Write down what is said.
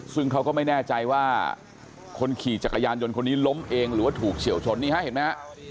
ซึ่งเขาก็ไม่แน่ใจว่าคนขี่จักรยานยนต์คนนี้ล้มเองหรือว่าถูกเฉียวชนนี่ฮะเห็นไหมฮะ